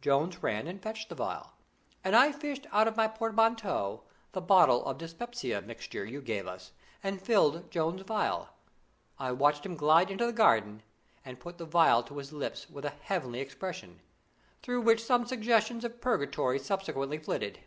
Jones ran and fetched the phial, and I fished out of my portmanteau the bottle of dyspepsia mixture you gave us and filled Jones's phial. I watched him glide into the garden and put the phial to his lips with a heavenly expression, through which some suggestions of purgatory subsequently flitted.